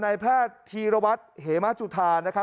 นายแพทย์ธีรวรรษเหมจุธา